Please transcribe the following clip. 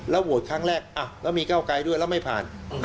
โหวตครั้งแรกแล้วมีเก้าไกลด้วยแล้วไม่ผ่าน